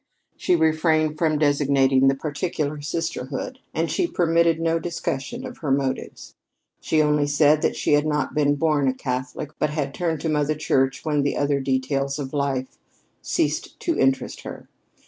She refrained from designating the particular sisterhood, and she permitted no discussion of her motives. She only said that she had not been born a Catholic, but had turned to Mother Church when the other details of life ceased to interest her.